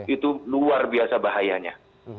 itu luar biasa bahayanya